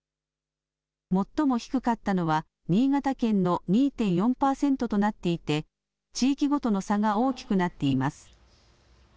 最も低かったのは新潟県の２．４％となっていて地域ごとの差が大きくなっています。